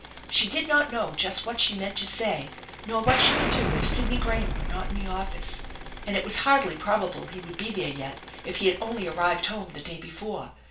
She did not know just what she meant to say, nor what she would do if Sidney Graham were not in the office, and it was hardly probable he would be there yet if he had only arrived home the day before.